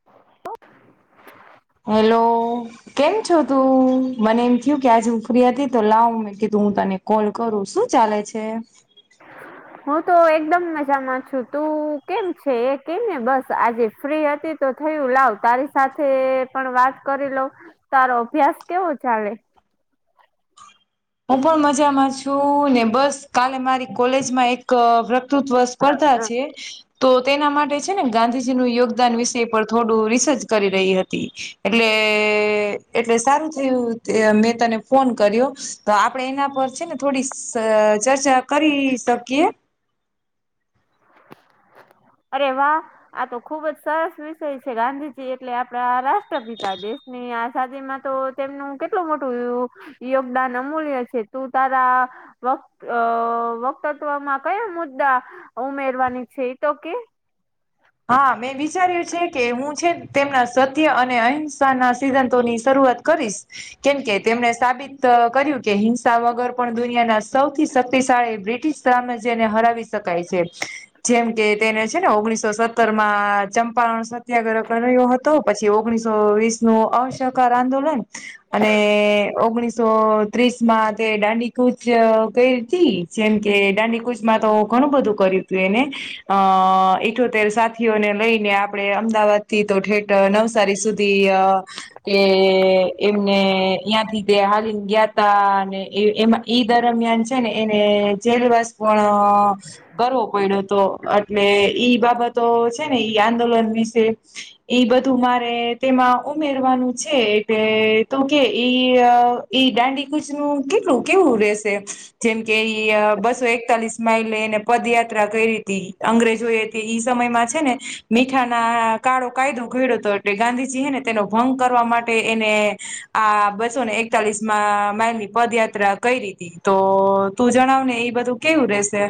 [inaudible] Hello. કેમ છો તું? મને એમ થયું કે આજ હું ફ્રી હતી તો લાવ મેં કીધું હું તને કોલ કરું. શું ચાલે છે? [inaudible] હું તો એકદમ મજામાં છું. તું કેમ છે? એ કેમ ને બસ આજે ફ્રી હતી. તો થયું લાવ તારી સાથે પણ વાત કરી લઉ. તારો અભ્યાસ કેવો ચાલે? હું પણ મજામાં છું. ને બસ કાલે મારી કોલેજમાં એક વ કૃત્વ સ્પર્ધા અ છે. તો તેના માટે છે ને ગાંધી જી નું યોગદાન વિષે પર થોડું રિસર્ચ કરી રહી હતી. એટલે એટલે સારું થયું, મેં તને ફોન કર્યો. તો આપડણે છે ને એના પર છે ને થોડી ચર્ચા કરી શકીએ. [inaudible] અરે વાહ! આ તો ખુબ જ સરસ વિષય છે. ગાંધીજી એટલે આપડા રાષ્ટ્રપિતા દેશ. ને આ શાદી માં તો તેમનું કેટલું મોટુંું. યોગદાન અમૂલ્ય છે. તું તારા વ વક્તત્વમાં કયા મુદ્દા ઉમેરવાની છે તો કે? હા મેં વિચાર્યું છે કે, હું છે તેમના સત્ય અને અહિંસા ના સિદ્ધાંતો ની શરૂઆત કરીશ. કેમ કે તેમને સાબિત. કર્યું કે હિંસા વગર પણ દુનિયાના સૌથી શક્તિશાળી બ્રિટિશ સામાાજ્યને હરાવી. શકાય છે. જેમ કે તેને છે ને ઓગણીસો. ઉત્તરમાં ચંપારણ સત્યાગ્રહ કર્યો હતો. પછી ઓગણીસો વીસ. નું અસકારર આંદોલન. અને ઓગણીસ એકસો ત્રીસ માં તે દાંડીકૂચ ક હતી. જેમ કે દાંડીકૂચ. તો ઘણું બધું કર્યું હતું એને. અ ઠોતેર સાત. થીને લઈને આપડે અમદાવાદ થી તો ઠેઠ નવસારી સુધી. કે એમને અ્યાં થી તે હારી ગયા ત અને એમાં. ઈ દરમિયાન છે ને એને જેલીિવસ પણ. અ કરવો પડ્યો તો. એટલે ઈ બાબત. તો છે ને એ આંદોલન વિશે. ઈ બધું મારે તેમાં ઉમેરવાનું છે. કેટલે તો કે ઈ એ દાંડીકૂચ નું કેટલું કેવું રેશે? જેમ કે બસો એકતાલીસ માઇલે એને પદયાત્રા કરી હતી. અંગ્રેજો એ સમયમાં છે ને, મીઠાના કાળો કાયદો ઘેડતો. એટલે ગાંધીજી હ ને તેનો ભંગ કરવા માટે. એને આ બસોને એકતાલીસ માઇલ ની પદયાત્રા કરી હતી. તો તું જણાવ ને, એ બધું કેવું રેશે?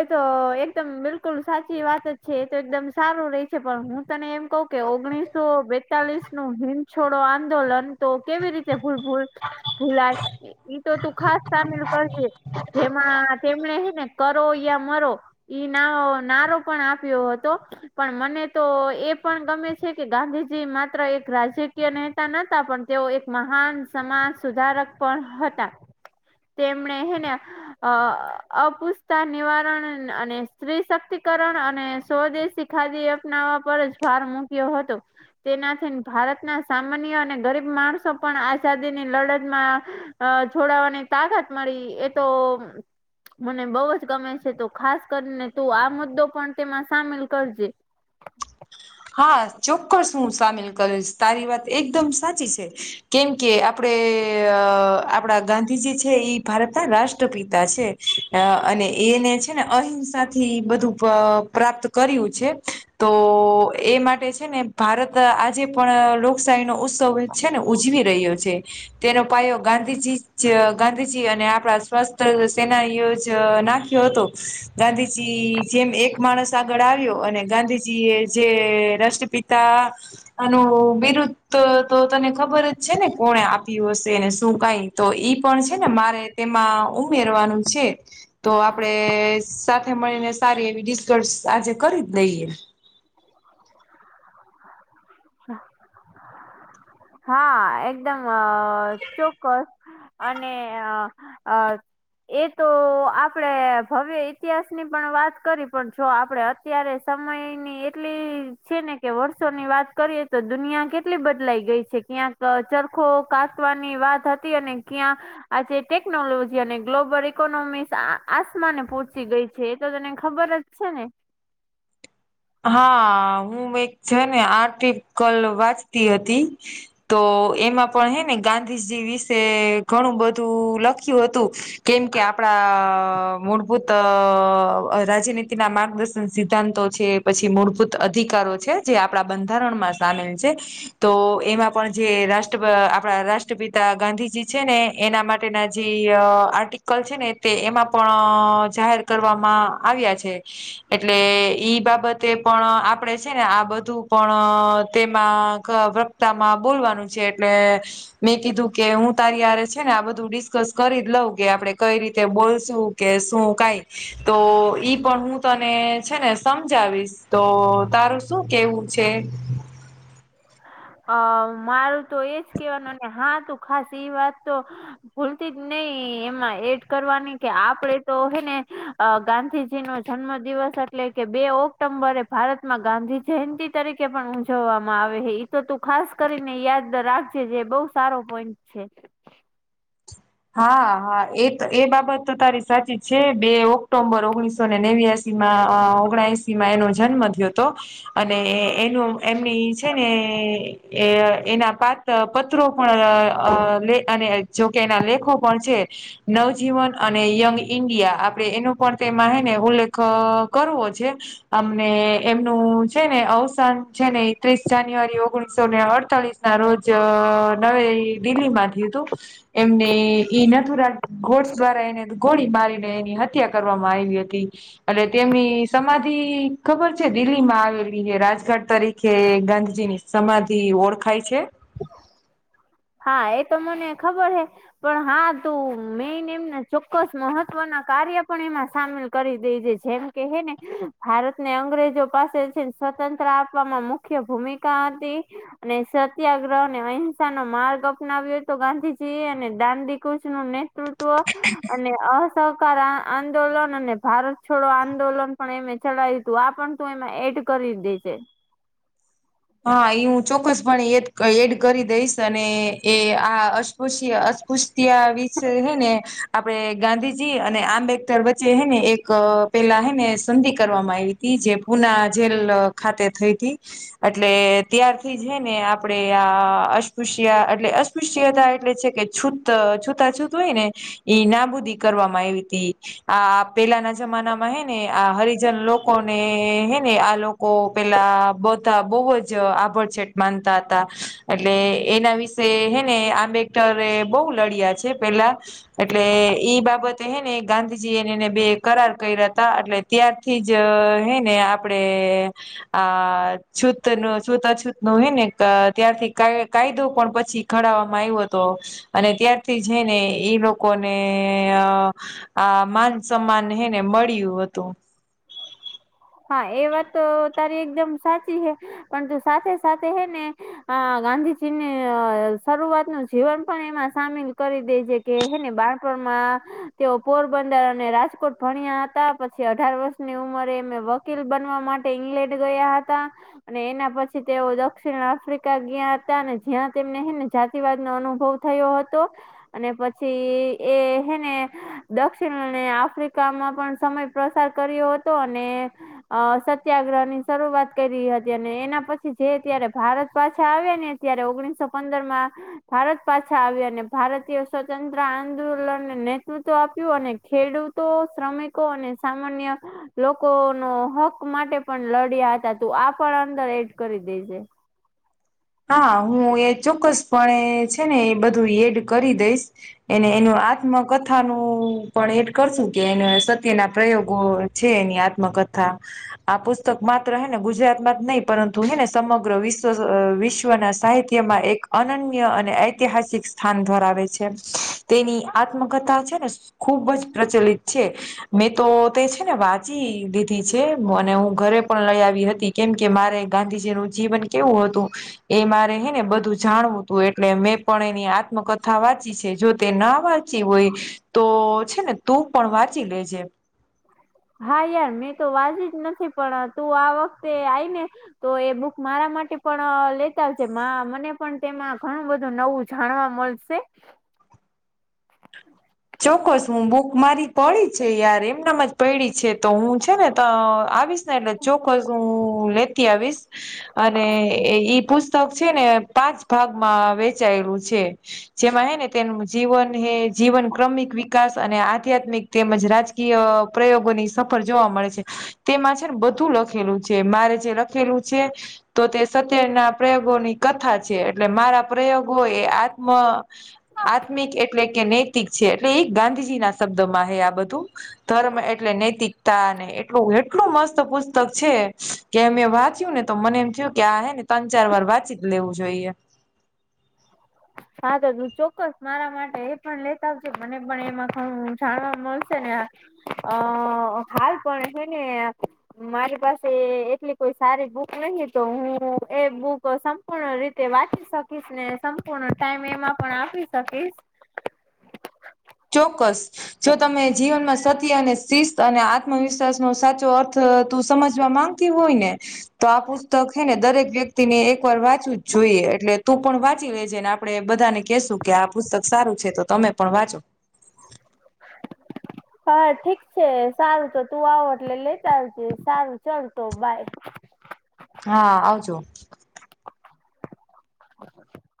એ તો એકદમ બિલકુલ સાચી વાત જ છે એ તો એકદમ સારું રે છે પણ હું તને એમ કઉ કે ઓગણીસો બેતાલીસ નું હિમછોડો આંદોલન તો કેવી રીતે ભૂલ ભૂલ ગુલા ઈ તો તું ખાસ સામેલ કરીજે જેમાં તેમણે હે ને કરો યા મરો ઈ નારો પણ આપ્યો હતો પણ મને તો એ પણ ગમે છે કે ગાંધીજી માત્ર એક રાજકીય નેતા પણ તેઓ એક મહાન સમાજ સુધારક પણ હતા તેમણે હેને અ અપુસ્તા નિવારણ અને સ્ત્રી શક્તિકરણ અને સ્વદેશી ખાદી અપનાવવા પર જ ભાર મૂક્યો હતો તેનાથી ભારતના સામાન્ય અને ગરીબ માણસો પણ આઝાદીની લડતમાં અ જોડાવાની તાકાત મળી એ તો મને બઉુ જ ગમે છે તો ખાસ કરીને તું આ મુદ્દો પણ તેમાં સામેલ કરજે હા ચોક્કસ હું સામેલ કરીશ તારી વાત એકદમ સાચી છે કેમ કે આપડે આપણા ગાંધીજી છે ભારતના રાષ્ટ્રપિતા છે અ અને એને છે ને અહિંસા થી બધું પ્રાપ્ત કર્યું છે તો એ માટે છે ને ભારત આજે પણ લોકશાહીનોો ઉત્સવ છે ને ઉજવી રહ્યો છે તેનો પાયો ગાંધીજી ગાંધીજી અને આપણા સ્વસ્થ સેનાનીઓ જ ના ગાંધીજી જેમ એક માણસ આગળ આવ્યો અને ગાંધીજી એ જે રાષ્ટ્રપિતા અનેનું બિરુદ તો તને ખબર જ છે ને કોને આપ્યું હશે ને શું કઈ તો ઈ પણ છે ને મારે તેમાં ઉમેરવાનું છે તો આપડે સાથે મળીને સારી એવી ડિસ્કસ આજે કરી જ દઈએ હા એકદમ ચોક્કસ અને અ એ તો આપડે ભવે ઈતિહાસની પણ વાત કરી પણ જો આપડે અત્યારે સમયની એટલી છે ને કે વર્ષોની વાત કરીએ તો દુનિયા કેટલી બદલાઈ ગઈ છે ક્યાંક ચરખો કાસવાની વાત હતી અને ક્યાં આજે ટેકનોલોજી અને ગ્લોબલ ઇકોનોમિકસ આસમાને પહોંચી ગઈ છે એ તો તને ખબર જ છે ને હા હું એક છે ને આટી કલ વાંચતી હતી તો એમાં પણ હે ને ગાંધીજી વિશે ઘણું બધું લખ્યું હતું કેમ કે આપડા મૂળભૂત રાજનીતિ ના માર્ગદર્શન સિદ્ધાંતો છે પછી મૂળભૂત અધિકારો છે જે આપણા બંધારણમાં સામેલ છે તો એમાં પણ જે રાષ્ટ રા આપણા રાષ્ટ્રપિતા ગાંધીજી છે ને એના માટેના જે આર્ટ લ છે ને તે એમાં પણ જાહેર કરવામાં આવ્યા છે એટલે ઈ બાબત તે પણ આપડે છે ને આ બધું પણ તેમાં વ્રક્તામાં બોલવાનું છે એટલે મેં કીધું કે હું તારી છે ને આ બધું સ કરી જ લઉં કે આપણે કઈ રીતે બોલશું કે શું કઈ તો ઈ પણ હું તને છે ને સમજાવીશ તો તારું શું કેવું છે અ મારું તો એજ કેવાનું ને હા તું ખાસ એ વાત તો ભૂલતી જ નઈ એમાં એડ કરવાની કે આપડે તો હેને અ ગાંધીજી નો જન્મ દિવસ એટલે કે બે ઓક્ટોમ્બરે ભારતમાં ગાંધી જયંતિ તરીકે પણ ઉજવવામાં આવે હ તો તું ખાસ કરીને યાદ રાખજેજ બઉ સારો પોઈન્ટ છે હા હા એ એ બાબત તો તારી સાચી છે બે ઓક્ટો્બર ઓગણીસો ને નેવ્યાસી ઓગશમાં એનો જન્મ થયો હતો અને એનું એમની છે ને એ એના પાત પત્રો પણે અને જોકે એના લેખ પ છેે નવજીવન અને યંગ ઈન્ડિયા આપડે એનો પણ તેમાં હ ને ઉલ્લેખ કરવો છે અમને એમનું છે ને અવસાન છે ને એકત્રીસ જાન્યુઆરી ઓગણીસો ને અડતાલીસ ના રોજ નવે દિલ્હીમાંથી હતું એમની એ નથુરા ગોડસ દ્વારા એને ગોળી મારીને એની હત્યા કરવામાં આવી હતી એટલે તેમની સમાધિ ખબર છે દિલ્હી માં આવેલી હ રાજઘાટ તરીકે ગાંધીજીની સમાધિ ઓળખાય છે હા એ તો મને ખબર હે પણ હા તું મેને એમને ચોક્કસ મહત્વના કાર્ય પણ એમાં સામેલ કરી દેધે છેમ કહે ને ભારતને અંગ્રેજો પાસેથી સ્વતંત્ર આપવામાં મુખ્ય ભૂમિકા હતી અને સત્યાગ્રહ ને અહેંસા માર્ગ અપનાવ્યો તો ગાંધીજી એ અને દાંધી કુચ નું નેતૃત્વ અને અસહકાર આંદોલન અને ભારત છોડો આંદોલન પણ એમે ચડાય તું આ પણ તું એમાં એડ કરી દે છે હા એ હું ચોક્કસપણે એ એડ કરી દઈશ અને એ આ અસ્પૃશ્ય અસ્પૃશ્ય વિષ હે ને આપડે ગાંધીજી અને આંબેડકર વચ્ચે હેને એક પેલા હેને સંધિ કરવામાં આવી હતી જે પુના જેલ ખાતે થઈ હતી એટલે ત્યારથી છે ને આપણેે આ અસ્પૃશ્ય એટલે અસ્પૃશ્યતા એટલે છે કે છૂ છૂતા છૂતું હોય ને ઈ નાબૂદી કરવામાં આવી ત આ પેલાના જમાના માં હે ને આ હરિજન લોકો ને હે ને આ ઓ પેલા બ બહુ જ આભળ છે, માનતા હતા એટલે એના વિશે હેને, આબે. બહ લડ્યા છે પેલા એટલે ઈ બાબત હેને ગાંધીજી એનેને બે કરાર કર્યા હતા એટલે ત્યારથી જ હે ને આપડે આ છૂત ન છૂત અછૂત નું હોય ને ત્યારથી કાયદો પણ પછી ખડવામાં આવ્યો હતો અને ત્યારથી જઈ ને ઈ લોકોને આ માન-સમાન, હે ને, મળ્યું હતું. હા, એ વાત તો તારી એકદમ સાચી છે, પણ તું સાથે સાથે, હૈ ને. આ ગાંધીજી ની શરૂઆત નું જીવન પણ, એમાં સામેલ કરી દે છે. કે, હે ને, બાણપણમાં તેઓ પોરબંદર અને રાજકોટ ભણ્યા હતા. પછી અઢાર વર્ષ ની ઉમરે મેમ વકીલ બનવા માટે ઈંગ્લેન્ડ ગયા હતા. અને એના પછી, તેઓ દક્ષિણ આફ્રિકા ગયાં હતા, અને જ્યાં તેમને, હે ને, જાતિવાદ નો અનુભવ થયો હતો, અને પછી એ, હે ને દક્ષિણ અને આફ્રિકામાં પણ સમય પ્રસાર કર્યો હતો અને અ સત્યાગ્રહ ની શરૂઆત કરી હતી, અને એના પછી જે અત્યારે ભારત પાછા આવ્યા, ને ત્યારે ઓગણીસો પંદર માં ભારત પાછા આવ્યા, અને ભારતીય સ્વતંત્ર આંદોલનને નેતૃત્વ આપ્યું, અને ખેડૂત તો શ્રમિકો અને સામાન્ય લોકો નો હક માટે પણ લડ્યા હતા, તું આ પણ અંદર એડ કરી દેજે. હા, હું એ ચોક્કસપણે, છે ને, એ બધું એડ કરી દઈશ. એને એનું આત્મકથા, નું પણ એડ કરશું કે, એને સત્ય ના પ્રયોગો છે, એની આત્મકથા. આ પુસ્તક માત્ર, હે ને, ગુજરાતમાં જ નહીં, પરંતુ, હે ને, સમગ્ર વિશ્વ વિશ્વ વિશ્વના સાહિત્યમાં એક અનન્ય અને ઐતિહાસિક સ્થાન ધરાવે છે. તેની આત્મકથા છે ને, ખૂબ જ પ્રચલિત છે. મેં તો તે, છે ને, વાંચી દીધી છે, અને હું ઘરે પણ લઈ આવી હતી. કેમકે, મારે ગાંધીજીનું જીવન કેવું હતું એ મારે, હે ને, બધું જાણવું હતું, એટલે મેં પણ એની આત્મકથા વાંચી છે. જો તે ના વાંચી હોય તો છે ને, તું પણ વાંચી લેજે. હા, યાર, મેં તો વાંચી જ નથી, પણ તું આ વખતે આઈને તો એ બુક મારા માટે પણ લેતા આવજે. માં મને પણ, તેમાં ઘણું બધું નવું જાણવા મળશે. તે ચોક્કસ, હું બુક મારી પડી છે, યાર. એમનામાં જ પાડી છે, તો હું છે ને, તો આવીશ. એટલે ચોક્કસ હું લેતી આવીશ. અને ઈ પુસ્તક, છે ને, પાંચ ભાગમાં વેચાયેલું છે. જેમાં, હે ને, તેનું જીવન, હે, જીવન ક્રમિક વિકાસ અને આધ્યાત્મિક તેમજ રાજકીય પ્રયોગોની સફળ જોવા મળે છે. તેમાં, છે ને, બધું લખેલું છે. મારે જે લખેલું છે તો તે સત્યના પ્રયોગોની કથા છે, એટલે મારા પ્રયોગો એ આત્મ આધ્યાત્મિક, એટલે કે નૈતિક, છે. એટલે એ ગાંધીજી ના શબ્દોમાં, હે, આ બધું. ધર્મ એટલે નૈતિકતા ને એટલું એટલું મસ્ત પુસ્તક છે કે અમેં વાંચ્યું ને, તો મને એમ થયું કે, આ, હે ને, ત્રણ-ચાર વાર વાંચી જ લેવું જોઈએ. હા, તો તું ચોક્કસ મારા માટે એ પણ લેતા આવજે. મને પણ એમાં જાણવા મળશે ને. અ હાલ પણ છે, હે ને. મારી પાસે એટલી કોઈ સારી બુક નહી, તો હું એ બુક સમ સંપૂર્ણ રીતે વાંચી શકીશ ને, સંપૂર્ણ ટાઈમ એમાં પણ આપી શકીશ. ચોક્કસ. જો તમે જીવનમાં સત્ય, અને શિસ્ત અને આત્મવિશ્વાસ નો સાચો અર્થ, તું સમજવા માંગ તી હોય ને તો આ પુસ્તક હે ને દરેક વ્યક્તિ ને એક વાર વાંચવું જ જોઈએ એટલે તું પણ વાંચી લેજે ને- આપડે બધા ને કહેશું કે, આ પુસ્તક સારું છે, તો તમે પણ વાંચો. [inaudible] હા, ઠીક છે. સારું, તો તું આવો એટલે લેતા આવજે. સારું, ચાલ તો બાય. હા, આવજો.